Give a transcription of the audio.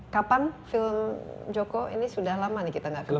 kapan film joko ini sudah lama nih kita gak ke bioskop